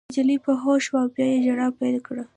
نجلۍ په هوښ شوه او بیا یې ژړا پیل کړه